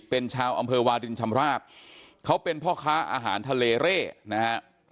เป็นชาวอำเภอวาดินชำราบเขาเป็นพ่อค้าอาหารทะเลเร่นะฮะ